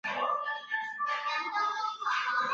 他拥有一部奔驰并从事古董汽车出租的生意。